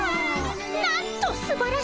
なんとすばらしい！